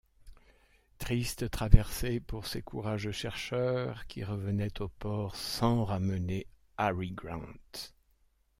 Triste traversée pour ces courageux chercheurs qui revenaient au port sans ramener Harry Grant!